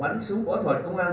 bắn súng võ thuật công an